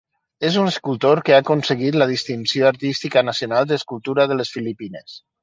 És un escultor que ha aconseguit la distinció d'Artista Nacional d'Escultura de les Filipines.